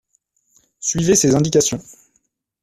Suivez ses indications.